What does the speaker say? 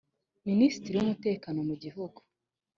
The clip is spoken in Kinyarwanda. minisitiri w’umutekano mu gihugu